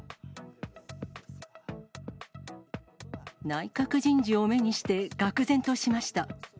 内閣人事を目にして、がく然としました。